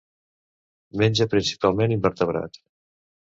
Menja principalment invertebrats.